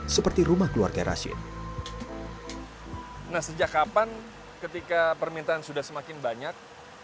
ketika permintaan sudah semakin banyak